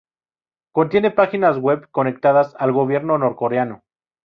Contiene páginas web conectadas al gobierno norcoreano.